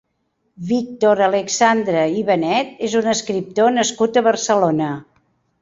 Víctor Alexandre i Benet és un escriptor nascut a Barcelona.